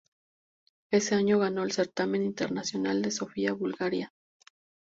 Ese año ganó el certamen internacional de Sofia, Bulgaria.